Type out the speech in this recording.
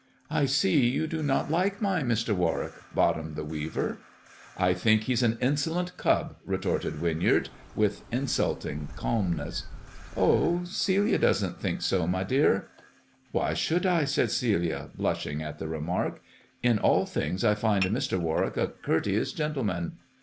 "I see you do not like my Mr. Warwick, Bottom the Weaver," " I think he's an insolent cub," retorted Winyard, with insulting calmness. " Oh, Gelia doesn't think so, my dear." " Why should 1 1 " said Celia, blushing at the remai k. "In all things I find Mr. Warwick a courteous gentle man.